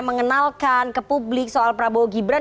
mengenalkan ke publik soal prabowo gibran